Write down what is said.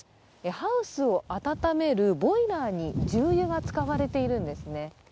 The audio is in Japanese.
ハウスを暖めるボイラーに重油が使われているんですね。